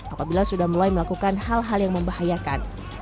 apabila sudah mulai melakukan hal hal yang membahayakan